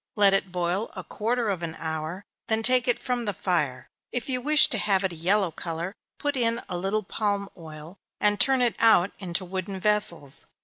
Let it boil a quarter of an hour, then take it from the fire. If you wish to have it a yellow color, put in a little palm oil, and turn it out into wooden vessels.